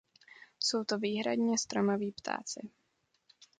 Jsou to výhradně stromoví ptáci.